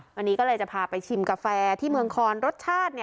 วันนี้ก็เลยจะพาไปชิมกาแฟที่เมืองคอนรสชาติ